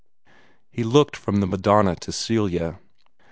He looked from the Madonna to Celia.